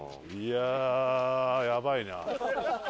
いやーやばいな。